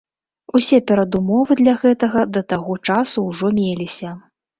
Усе перадумовы для гэтага да таго часу ўжо меліся.